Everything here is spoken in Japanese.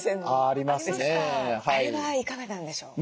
あれはいかがなんでしょう？